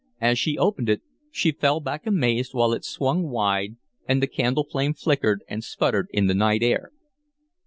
As she opened it, she fell back amazed while it swung wide and the candle flame flickered and sputtered in the night air.